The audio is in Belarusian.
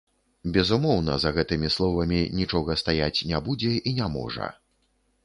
Безумоўна, за гэтымі словамі нічога стаяць не будзе і не можа.